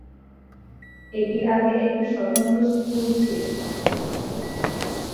এটি আগে একটি স্বতন্ত্র স্কুল ছিল।